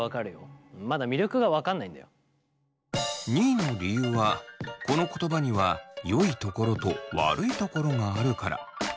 ２位の理由はこの言葉には良いところと悪いところがあるから。